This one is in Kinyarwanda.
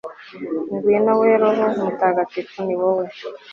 ngwino we roho mutagatifu, ni wowe